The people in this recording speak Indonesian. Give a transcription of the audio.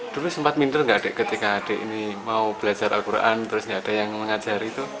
dulu sempat mender enggak adik ketika adik ini mau belajar al quran terus enggak ada yang mengajar itu